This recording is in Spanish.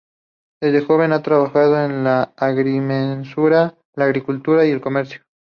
Desde ha joven, ha trabajado en la agrimensura, la agricultura y el comercio.